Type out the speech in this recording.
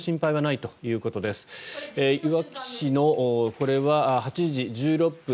いわき市の８時１６分